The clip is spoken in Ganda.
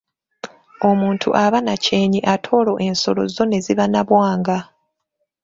Omuntu aba na kyenyi ate olwo ensolo zo ne ziba na bwanga.